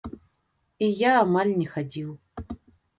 І я амаль не хадзіў.